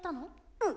うん。